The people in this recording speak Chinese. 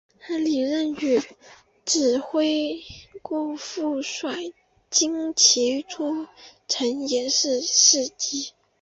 李任与指挥顾福帅精骑出城掩击袭击。